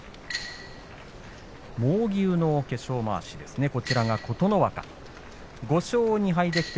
猛牛の化粧まわしですね琴ノ若です。